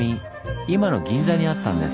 今の銀座にあったんです。